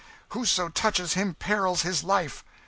Whoso touches him perils his life!"